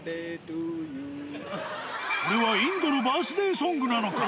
これはインドのバースデーソングなのか？